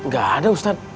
gak ada ustadz